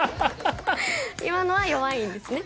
今のは弱いんですね。